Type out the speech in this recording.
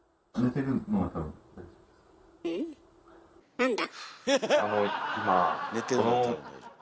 何だ？